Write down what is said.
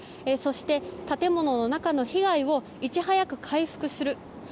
そして、建物の中の被害をいち早く回復する。